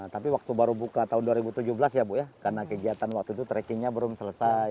tapi waktu baru buka tahun dua ribu tujuh belas ya bu ya karena kegiatan waktu itu trackingnya belum selesai